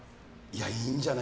いいんじゃない。